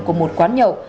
cùng một quán nhậu